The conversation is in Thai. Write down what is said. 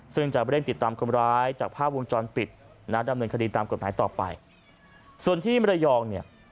ส่วนที่มะเร็อง